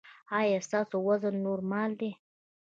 ایا ستاسو وزن نورمال دی؟